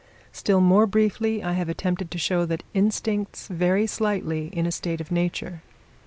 Still more briefly I have attempted to show that instincts vary slightly in a state of nature.